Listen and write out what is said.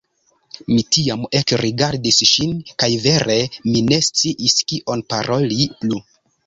Mi tiam ekrigardis ŝin kaj vere mi ne sciis, kion paroli plu.